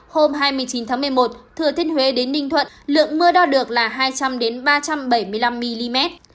hôm hai mươi chín tháng một mươi một thừa thiên huế đến ninh thuận lượng mưa đo được là hai trăm linh ba trăm bảy mươi năm mm